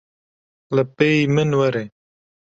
Li pêyî min were.